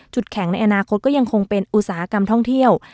แข็งในอนาคตก็ยังคงเป็นอุตสาหกรรมท่องเที่ยว